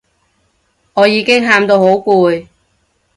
我已經喊到好攰